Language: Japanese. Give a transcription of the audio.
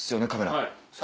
はい。